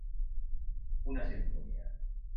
Una simfonia.